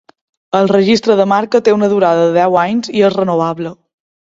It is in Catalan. El registre de marca té una durada de deu anys i és renovable.